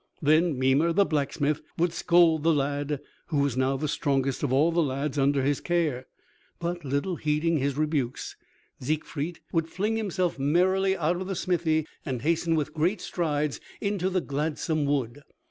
Then Mimer the blacksmith would scold the lad, who was now the strongest of all the lads under his care; but little heeding his rebukes, Siegfried would fling himself merrily out of the smithy and hasten with great strides into the gladsome wood.